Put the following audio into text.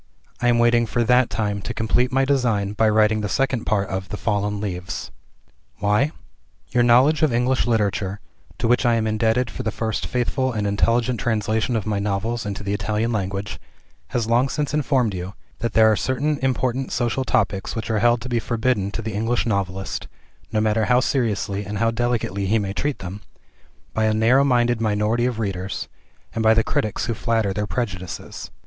I am waiting for that time, to complete my design by writing the second part of "The Fallen Leaves." Why? Your knowledge of English Literature to which I am indebted for the first faithful and intelligent translation of my novels into the Italian language has long since informed you, that there are certain important social topics which are held to be forbidden to the English novelist (no matter how seriously and how delicately he may treat them), by a narrow minded minority of readers, and by the critics who flatter their prejudices.